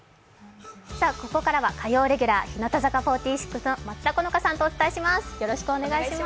ここからは火曜レギュラー、日向坂４６の松田好花さんとお伝えします。